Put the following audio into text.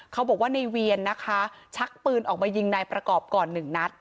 เขาบอกว่าในเวียนนะคะชักปืนออกมายิงนายประกอบก่อนหนึ่งนัด